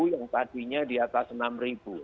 yang tadinya di atas rp enam